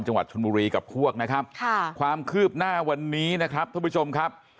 จังหวัดชนบุรีกับพวกนะครับค่ะความคืบหน้าวันนี้นะครับท่านผู้ชมครับ